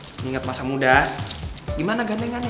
mengingat masa muda gimana gandengan ya